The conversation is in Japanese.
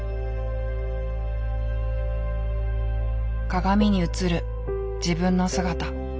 鏡に映る自分の姿。